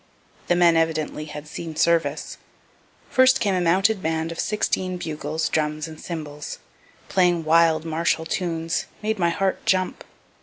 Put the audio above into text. The men evidently had seen service. First came a mounted band of sixteen bugles, drums and cymbals, playing wild martial tunes made my heart jump.